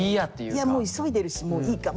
いやもう急いでるしもういいか。